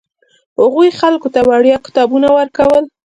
هغه خلکو ته وړیا کتابونه ورکول.